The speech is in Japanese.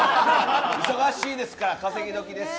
忙しいですから、稼ぎ時ですし。